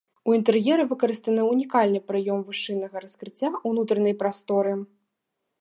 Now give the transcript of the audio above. У інтэр'еры выкарыстаны ўнікальны прыём вышыннага раскрыцця ўнутранай прасторы.